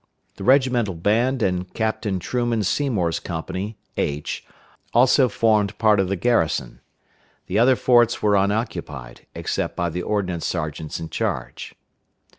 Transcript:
The regimental band and Captain Truman Seymour's company (H) also formed part of the garrison. The other forts were unoccupied, except by the ordnance sergeants in charge.